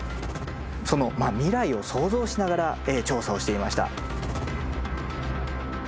その未来を想像しながら調査をしていました。